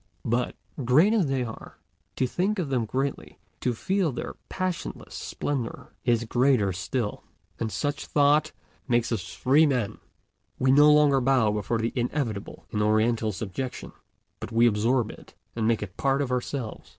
But, great as they are, to think of them greatly, to feel their passionless splendor, is greater still. And such thought makes us free men; we no longer bow before the inevitable in Oriental subjection, but we absorb it, and make it a part of ourselves.